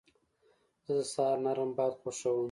زه د سهار نرم باد خوښوم.